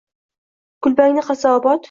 Kulbangni qilsa obod.